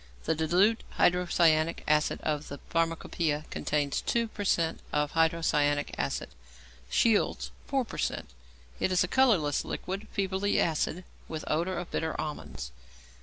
The diluted hydrocyanic acid of the Pharmacopoeia contains 2 per cent. of hydrocyanic acid, Scheele's 4 per cent. It is a colourless liquid, feebly acid, with odour of bitter almonds.